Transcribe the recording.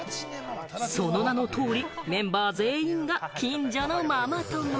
その名の通り、メンバー全員が近所のママ友。